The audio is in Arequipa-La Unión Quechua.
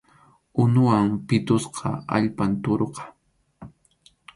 Unuwan pitusqa allpam tʼuruqa.